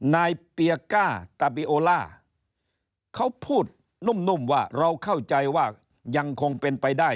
นายเปียก้าตาบิโอล่าเขาพูดนุ่มว่าเราเข้าใจว่ายังคงเป็นไปได้